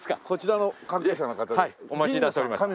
こちらの関係者の方で。